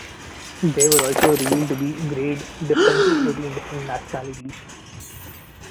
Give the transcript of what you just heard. There were also revealed to be grade differences between different nationalities.